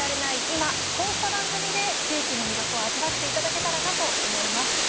今こうした番組で地域の魅力を味わっていただけたらと思います。